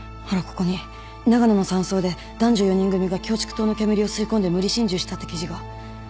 ほらここに長野の山荘で男女４人組がキョウチクトウの煙を吸い込んで無理心中したって記事が。